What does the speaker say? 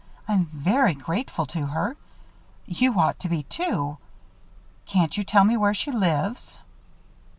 I'm very grateful to her. You ought to be too. Can't you tell me where she lives?"